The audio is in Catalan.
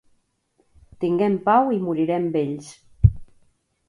Tinguem pau i morirem vells.